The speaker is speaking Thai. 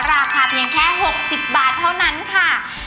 ราคาเพียงแค่๖๐บาทเท่านั้นค่ะ